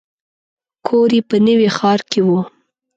کور یې په نوي ښار کې و.